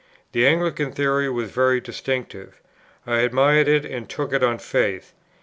The Anglican Theory was very distinctive. I admired it and took it on faith.